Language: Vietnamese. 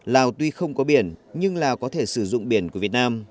lào tuy không có biển nhưng lào có thể sử dụng biển của việt nam